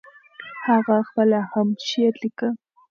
هغه خپله هم شعر ليکه.